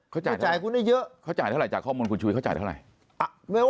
เขาจ่ายเท่าไหร่จากข้อมูลคุณช่วยเขาจ่ายเท่าไหร่